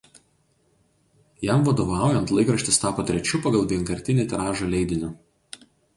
Jam vadovaujant laikraštis tapo trečiu pagal vienkartinį tiražą leidiniu.